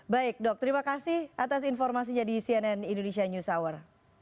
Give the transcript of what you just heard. baik dok terima kasih atas informasinya di cnn indonesia news hour